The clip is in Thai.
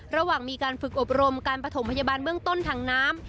ระหว่างมีการฝึกอบรมการประถมพยาบาลเบื้องต้นทางน้ำ